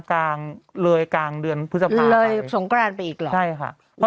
กลางเรยกลางเดือนพฤษภาคเรยสงครานไปอีกหรอ